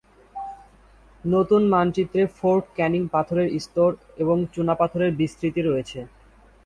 নতুন মানচিত্রে Fort Canning পাথরের স্তর এবং চুনাপাথরের বিস্তৃতি রয়েছে।